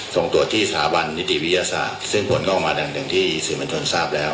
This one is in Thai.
ส่งตรวจที่สถาบันนิติวิทยาศาสตร์ซึ่งผลก็ออกมาอย่างที่สื่อมวลชนทราบแล้ว